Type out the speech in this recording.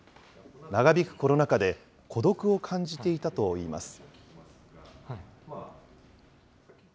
長引くコロナ禍で孤独を感じていたといいます。